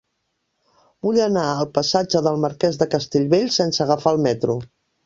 Vull anar al passatge del Marquès de Castellbell sense agafar el metro.